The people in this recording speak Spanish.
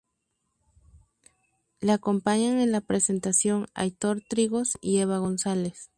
Le acompañan en la presentación Aitor Trigos y Eva González.